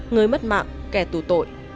người mất mạng kẻ tù tội